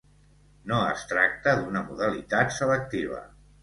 No es tracta d'una modalitat selectiva.